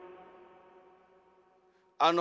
あの。